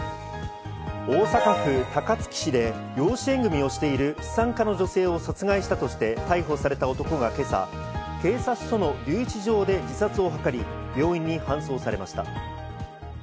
大阪府高槻市で養子縁組をしている資産家の女性を殺害したとして逮捕された男が今朝、警察署の留置場で自殺を図り病院に搬送されました。